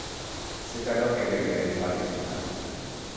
C'est alors qu'a lieu le gunfight final.